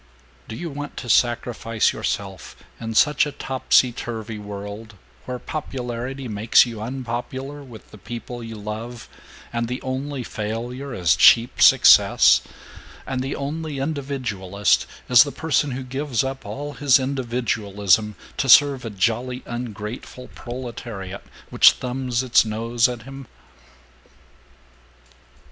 "Do you want to sacrifice yourself in such a topsy turvy world, where popularity makes you unpopular with the people you love, and the only failure is cheap success, and the only individualist is the person who gives up all his individualism to serve a jolly ungrateful proletariat which thumbs its nose at him?"